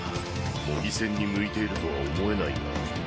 模擬戦に向いているとは思えないが。